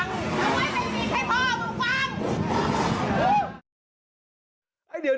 เอ้าท่อทำให้ดัง